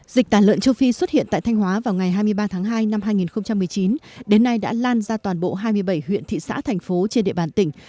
dịch tả lợn châu phi xuất hiện tại thanh hóa vào ngày hai mươi ba tháng hai năm hai nghìn một mươi chín đến nay đã lan ra toàn bộ hai mươi bảy huyện thị xã thành phố trên địa bàn tỉnh